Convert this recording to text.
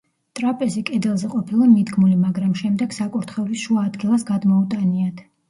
ტრაპეზი კედელზე ყოფილა მიდგმული, მაგრამ შემდეგ საკურთხევლის შუა ადგილას გადმოუტანიათ.